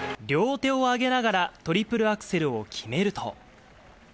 両手を上げながら、トリプルアクセルを決めると。